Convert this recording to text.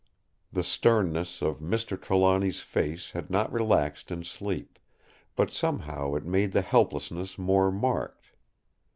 The sternness of Mr. Trelawny's face had not relaxed in sleep; but somehow it made the helplessness more marked.